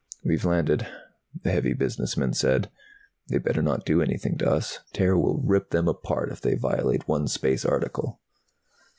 "We've landed," the heavy set business man said. "They better not do anything to us! Terra will rip them apart if they violate one Space Article."